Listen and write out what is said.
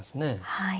はい。